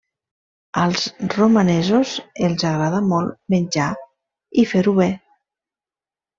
Als romanesos, els agrada molt menjar i fer-ho bé.